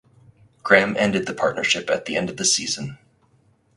Graham ended the partnership at the end of the season.